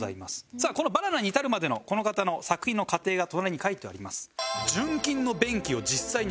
さあこのバナナに至るまでのこの方の作品の過程が隣に書いております。